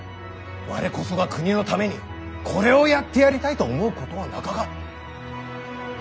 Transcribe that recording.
我こそが国のためにこれをやってやりたいと思うことはなかか？